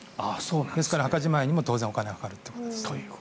ですから墓じまいも今まで以上にお金がかかるということです。